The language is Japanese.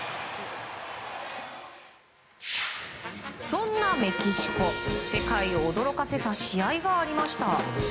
そんなメキシコ世界を驚かせた試合がありました。